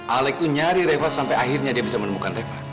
alec itu nyari reva sampai akhirnya dia bisa menemukan reva